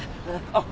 あっ。